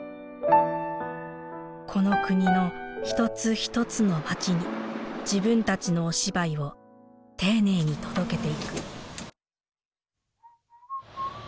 この国の一つ一つの街に自分たちのお芝居を丁寧に届けていく。